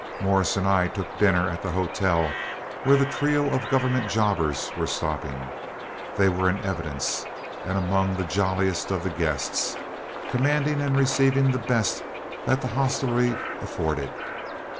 Morris and I took dinner at the hotel where the trio of government jobbers were stopping. They were in evidence, and amongst the jolliest of the guests, commanding and receiving the best that the hostelry afforded.